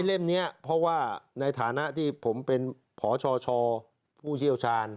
เล่มนี้เพราะว่าในฐานะที่ผมเป็นพชชผู้เชี่ยวชาญ